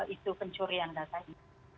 untuk pencurian data ini